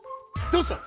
どうした？